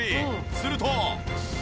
すると。